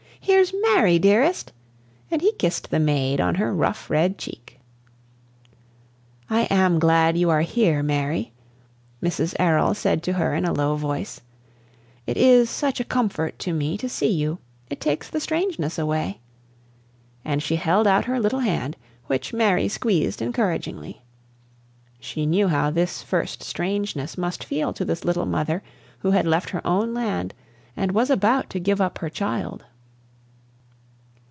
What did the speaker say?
"Here's Mary, Dearest," and he kissed the maid on her rough red cheek. "I am glad you are here, Mary," Mrs. Errol said to her in a low voice. "It is such a comfort to me to see you. It takes the strangeness away." And she held out her little hand, which Mary squeezed encouragingly. She knew how this first "strangeness" must feel to this little mother who had left her own land and was about to give up her child.